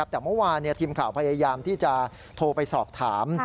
แต่เมื่อวานทีมข่าวพยายามที่จะโทรไปสอบถาม